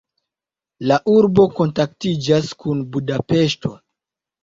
La urbo kontaktiĝas kun Budapeŝto.